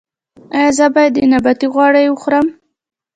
ایا زه باید د نباتي غوړي وخورم؟